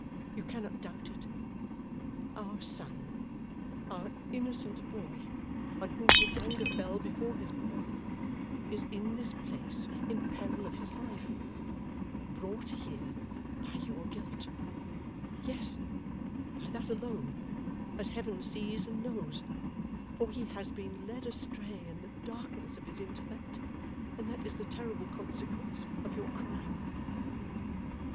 You cannot doubt it. Our son, our innocent boy, on whom His anger fell before his birth, is in this place in peril of his life brought here by your guilt; yes, by that alone, as Heaven sees and knows, for he has been led astray in the darkness of his intellect, and that is the terrible consequence of your crime.